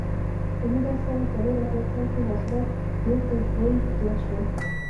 په نولس سوه څلور اتیا کال کې حاصلات یو پر درې زیات شول.